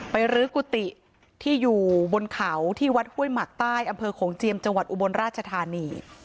รื้อกุฏิที่อยู่บนเขาที่วัดห้วยหมักใต้อำเภอโขงเจียมจังหวัดอุบลราชธานี